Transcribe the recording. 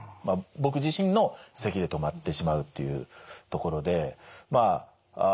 僕自身のせきで止まってしまうっていうところで。